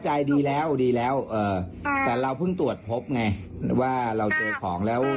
เข้าใจดีแล้วแต่เราเพิ่งตรวจพบไงว่าเราเจอของแล้ว